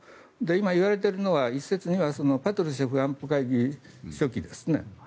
今、いわれているのは一説にはパトルシェフ安保会議書記ですね。